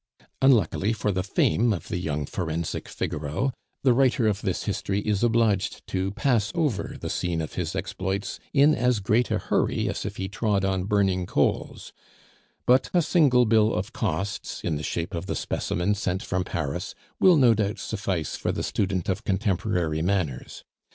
Unluckily for the fame of the young forensic Figaro, the writer of this history is obliged to pass over the scene of his exploits in as great a hurry as if he trod on burning coals; but a single bill of costs, in the shape of the specimen sent from Paris, will no doubt suffice for the student of contemporary manners.